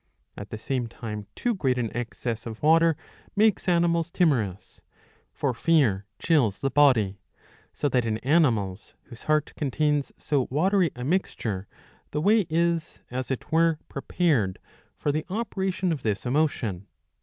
At the same time too great an excess of water makes animals timorous.* For fear chills the body; so that in animals whose heart contains so watery a mixture the way is, as it were, prepared for the operation of this emotion.